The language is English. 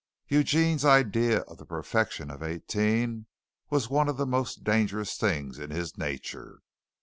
Eugene's idea of the perfection of eighteen was one of the most dangerous things in his nature.